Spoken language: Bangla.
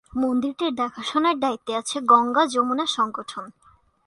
মন্দিরটি দেখাশোনার দায়িত্বে আছে গঙ্গা-যমুনা সংগঠন।